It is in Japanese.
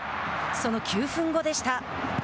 その９分後でした。